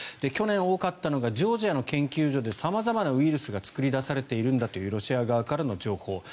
去年多かったのがジョージアの研究所で様々なウイルスが作り出されているんだというロシア側からの情報。